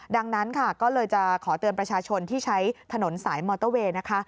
ดังนั้นค่ะก็เลยจะขอเตือนประชาชนที่ใช้ถนนสายมอเตอร์เวย์นะคะ